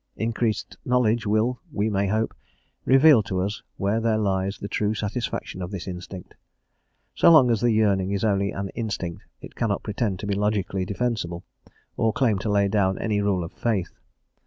Increased knowledge will, we may hope, reveal to us* where there lies the true satisfaction of this instinct: so long as the yearning is only an "instinct" it cannot pretend to be logically defensible, or claim to lay down any rule of faith.